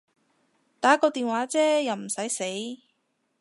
打個電話啫又唔駛死